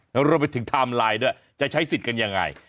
แล้วรวมไปถึงไทม์ไลน์ด้วยจะใช้สิทธิ์กันยังไง